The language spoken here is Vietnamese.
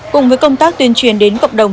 cùng với công tác tuyên truyền đến cộng đồng